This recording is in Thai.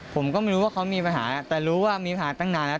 ผมก็ไม่รู้ว่าเขามีปัญหาแต่รู้ว่ามีปัญหาตั้งนานแล้ว